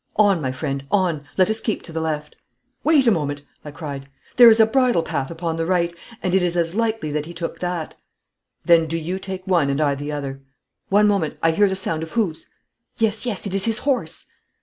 'On, my friend, on, let us keep to the left!' 'Wait a moment!' I cried. 'There is a bridle path upon the right, and it is as likely that he took that.' 'Then do you take one and I the other.' 'One moment, I hear the sound of hoofs!' 'Yes, yes, it is his horse!'